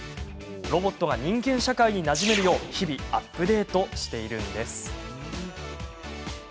ロボットが人間社会になじめるよう日々アップデートしているんです。